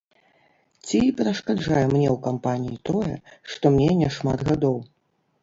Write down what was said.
Ці перашкаджае мне ў кампаніі тое, што мне няшмат гадоў?